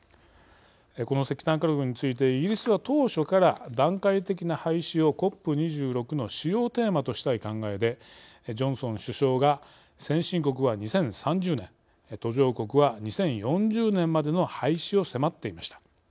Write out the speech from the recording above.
この石炭火力についてイギリスは当初から段階的な廃止をＣＯＰ２６の主要テーマとしたい考えでジョンソン首相が先進国は２０３０年途上国は２０４０年までの廃止を迫っていました。